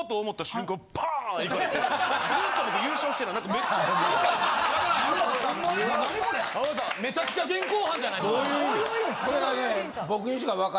めちゃくちゃ現行犯じゃないすか。